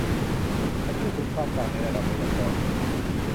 แต่พูดถึงความต่างในระดับไวยากรณ์เลย